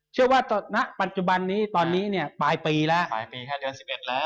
เชื่อว่าในปัจจุบันนี้ตอนนี้เนี่ยปลายปีแล้ว